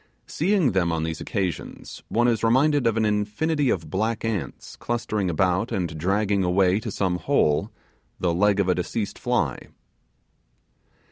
Seeing them on these occasions, one is reminded of an infinity of black ants clustering about and dragging away to some hole the leg of a deceased fly.